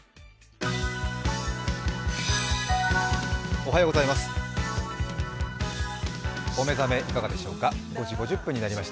おはようございます。